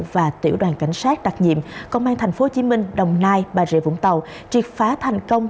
và tiểu đoàn cảnh sát đặc nhiệm công an tp hcm đồng nai bà rịa vũng tàu triệt phá thành công